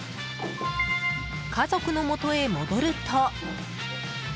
家族のもとへ戻ると。